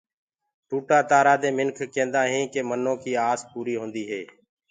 ٽوٽآ تآرآ دي مِنک ڪيندآ هينٚ ڪي منو ڪيٚ آس پوري هونديٚ هي۔